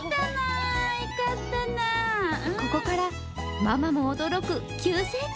ここからママも驚く急成長。